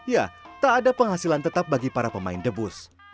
ya tak ada penghasilan tetap bagi para pemain debus